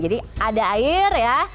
jadi ada air ya